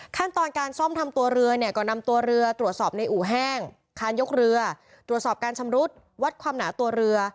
ขั้นตอนการซ่อมทำตัวเรือเนี่ยก็นำตัวเรือตรวจสอบในอู่แห้งคานยกเรือตรวจสอบการชำรุดวัดความหนาตัวเรือ